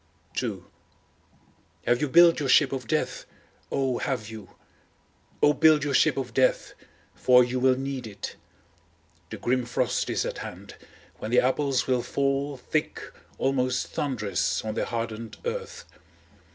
II Have you built your ship of death, O have you? O build your ship of death, for you will need it. The grim frost is at hand, when the apples will fall thick, almost thundrous, on the hardened earth.